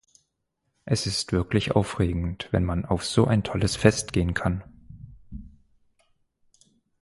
Es ist wirklich aufregend, wenn man auf so ein tolles Fest gehen kann.